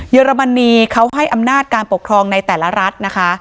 อรมนีเขาให้อำนาจการปกครองในแต่ละรัฐนะคะ